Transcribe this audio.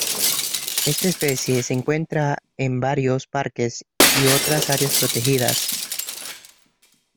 Esta especie se encuentra en varios parques y otras áreas protegidas.